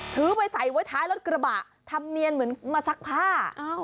ถือไปใส่ไว้ท้ายรถกระบะทำเนียนเหมือนมาซักผ้า